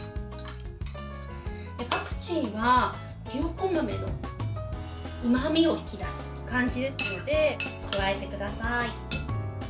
パクチーはひよこ豆のうまみを引き出す感じですので加えてください。